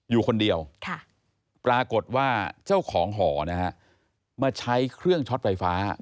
อยู่คนเดียวปรากฏว่าเจ้าของหอนะฮะมาใช้เครื่องช็อตไฟฟ้า